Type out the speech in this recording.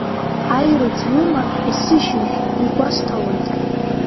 Аирыӡ лыман, есышьыжь, игәасҭалоит…